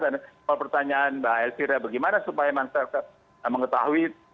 dan kalau pertanyaan mbak elvira bagaimana supaya masyarakat mengetahui